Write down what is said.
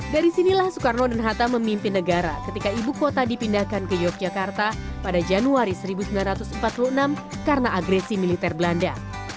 dari sinilah soekarno dan hatta memimpin negara ketika ibu kota dipindahkan ke yogyakarta pada januari seribu sembilan ratus empat puluh enam karena agresi militer belanda